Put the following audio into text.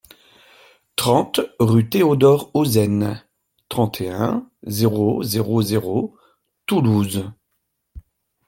trente rue Théodore Ozenne, trente et un, zéro zéro zéro, Toulouse